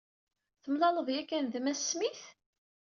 Temlaleḍ yakan d Mass Smith?